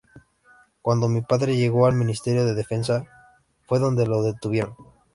Cuando mi padre llegó al Ministerio de Defensa fue donde lo detuvieron.